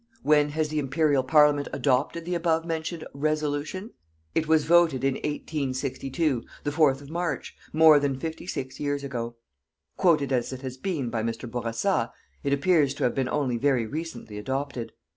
When has the Imperial Parliament adopted the above mentioned "Resolution"? It was voted in 1862 the 4th of March more than fifty six years ago. Quoted as it has been by Mr. Bourassa, it appears to have been only very recently adopted.